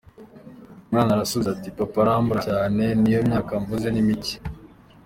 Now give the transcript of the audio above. Umwana arasubiza ati "Papa arambura cyane n’iyo myaka mvuze ni mike…”.